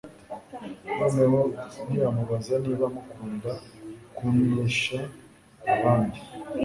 Noneho ntiyamubaza niba amukunda kunlsha abandi.